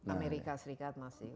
amerika serikat masih